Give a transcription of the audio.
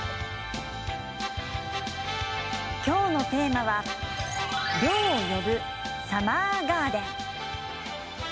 きょうのテーマは涼を呼ぶサマーガーデン。